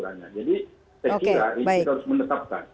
jadi saya kira ini harus menetapkan